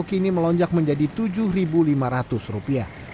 kini melonjak menjadi rp tujuh lima ratus